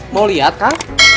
mau liat kak